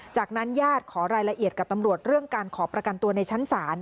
จากนั้นญาติขอรายละเอียดกับตำรวจเรื่องการขอประกันตัวในชั้นศาล